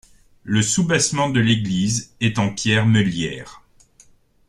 Le soubassement de l'église est en pierre meulière.